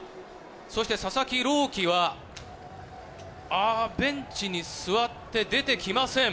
そして佐々木朗希は、あー、ベンチに座って、出てきません。